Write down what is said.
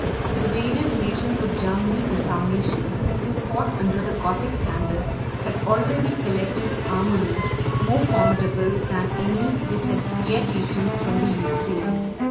] The various nations of Germany and Sarmatia, who fought under the Gothic standard, had already collected an armament more formidable than any which had yet issued from the Euxine.